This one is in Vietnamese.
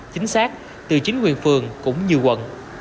chính xác từ chính quyền phường cũng như quận